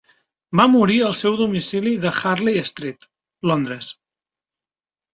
Va morir al seu domicili de Harley Street, Londres.